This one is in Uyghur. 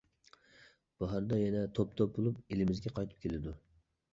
باھاردا يەنە توپ-توپ بولۇپ ئېلىمىزگە قايتىپ كېلىدۇ.